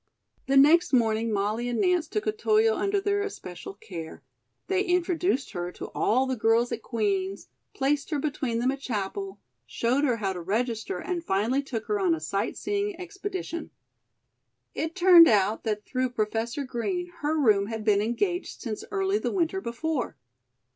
The next morning, Molly and Nance took Otoyo under their especial care. They introduced her to all the girls at Queen's, placed her between them at Chapel, showed her how to register and finally took her on a sight seeing expedition. It turned out that through Professor Green her room had been engaged since early the winter before.